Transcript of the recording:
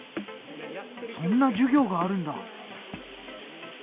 そんな授業があるんだ！